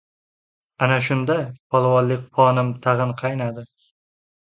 Ana shunda polvonlik qonim tag‘in qaynadi.